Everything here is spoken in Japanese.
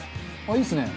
いいですね。